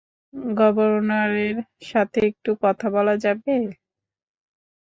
গভর্নরের সাথে একটু কথা বলা যাবে?